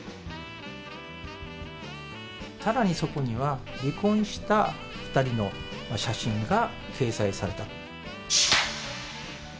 さらにそこには、離婚した２人の写真が掲載されたと。